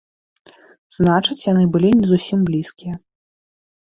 Значыць, яны былі не зусім блізкія.